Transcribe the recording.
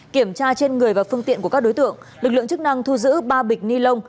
kiểm tra trên người và phương tiện của các đối tượng lực lượng chức năng thu giữ ba bịch ni lông